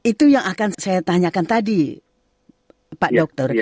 itu yang akan saya tanyakan tadi pak dokter